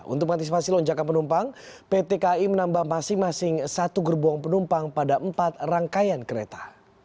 untuk mengantisipasi lonjakan penumpang pt kai menambah masing masing satu gerbong penumpang pada empat rangkaian kereta